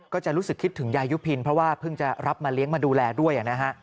ก็จะรู้สึกคิดถึงยายุพินเพราะว่าเพิ่งจะรับมาเลี้ยงมาดูแลด้วยนะฮะ